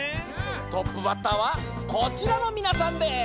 トップバッターはこちらのみなさんです！